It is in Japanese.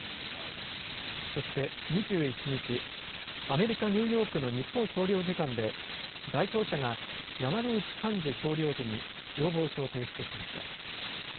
そして２１日、アメリカ・ニューヨークの日本総領事館で代表者が山野内勘二総領事に要望書を提出しました。